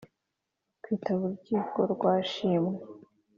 rwitaba urukiko rwa shimwe